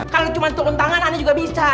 kalau cuma turun tangan anda juga bisa